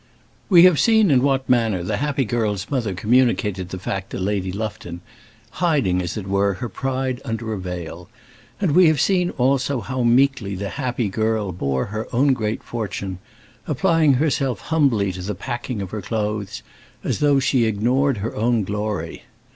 We have seen in what manner the happy girl's mother communicated the fact to Lady Lufton, hiding, as it were, her pride under a veil; and we have seen also how meekly the happy girl bore her own great fortune, applying herself humbly to the packing of her clothes, as though she ignored her own glory.